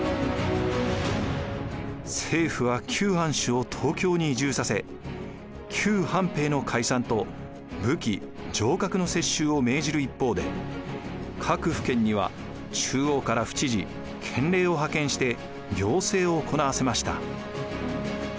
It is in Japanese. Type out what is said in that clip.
政府は旧藩主を東京に移住させ旧藩兵の解散と武器・城郭の接収を命じる一方で各府県には中央から府知事・県令を派遣して行政を行わせました。